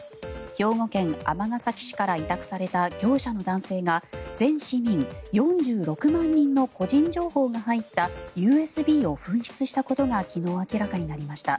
兵庫県尼崎市から委託された業者の男性が全市民４６万人の個人情報が入ったＵＳＢを紛失したことが昨日、明らかになりました。